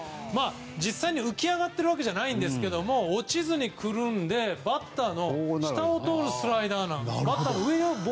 実際に浮き上がっているわけじゃないんですけど落ちずに来るのでバッターの下を通るスライダーなんです。